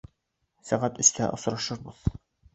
Сәғәт өстә осрашырбыҙ